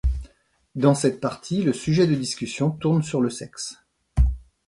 Durant cette partie, le sujet de discussion tourne sur le sexe.